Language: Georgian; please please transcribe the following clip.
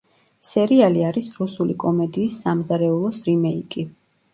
სერიალი არის რუსული კომედიის „სამზარეულოს“ რიმეიკი.